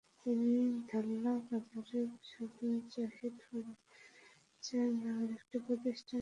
তিনি ধল্লা বাজারের স্বাধীন-জাহিদ ফার্নিচার নামের একটি প্রতিষ্ঠানে কাঠমিস্ত্রির কাজ করতেন।